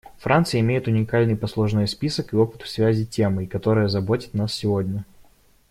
Франция имеет уникальный послужной список и опыт в связи темой, которая заботит нас сегодня.